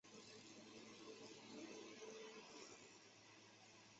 伽倻是当时半岛南部的一个城邦联盟。